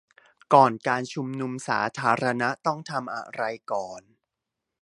ก่อนการชุมนุมสาธารณะต้องทำอะไรก่อน